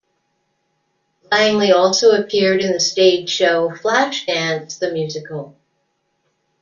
Langley also appeared in the stage show "Flashdance the Musical".